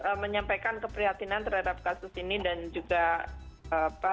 saya menyampaikan keprihatinan terhadap kasus ini dan juga apa